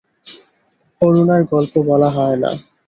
অরুণার গল্প বলা হয় না।